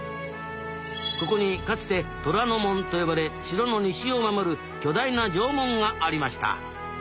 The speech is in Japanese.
ここにかつて虎ノ門と呼ばれ城の西を守る巨大な城門がありました。